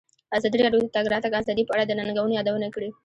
ازادي راډیو د د تګ راتګ ازادي په اړه د ننګونو یادونه کړې.